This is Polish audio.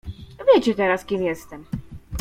"Wiecie teraz, kim jestem."